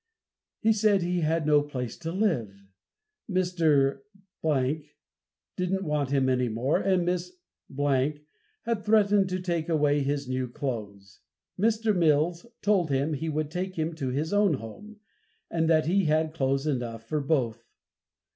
He said he had no place to live; Mr. didn't want him any more, and Miss had threatened to take away his new clothes. Mr. Mills told him he would take him to his own home, and that he had clothes enough for both.